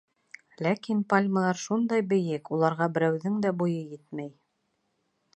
Ләкин пальмалар шундай бейек, уларға берәүҙең дә буйы етмәй.